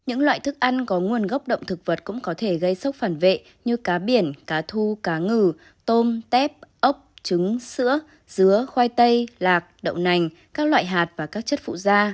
những loại thức ăn có nguồn gốc động thực vật cũng có thể gây sốc phản vệ như cá biển cá thu cá ngừ tôm tép ốc trứng sữa dứa khoai tây lạc đậu nành các loại hạt và các chất phụ da